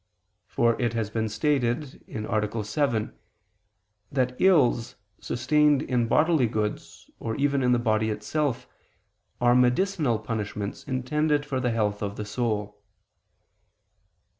For it has been stated (A. 7) that ills sustained in bodily goods or even in the body itself, are medicinal punishments intended for the health of the soul.